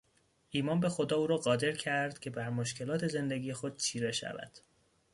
ایمان به خدا او را قادر کرد که بر مشکلات زندگی خود چیره شود.